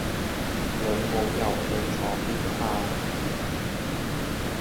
老母又去咗邊呀